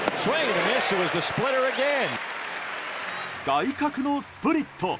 外角のスプリット！